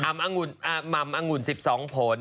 อับอังุ่นอ่ะมัมอังุ่น๑๒ผล